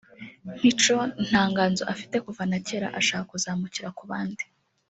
Mico nta nganzo afite kuva na kera ashaka kuzamukira ku bandi